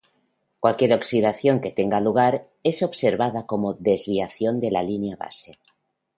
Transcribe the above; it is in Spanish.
Cualquier oxidación que tenga lugar es observada como desviación de la línea base.